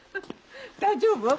大丈夫？